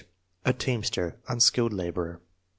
A teamster, unskilled laborer.